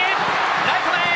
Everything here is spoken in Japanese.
ライト前！